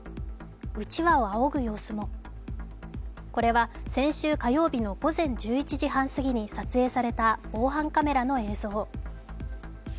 うちわをあおぐ様子もこれは先週火曜日の午前１１時半過ぎに撮影された防犯カメラの映像。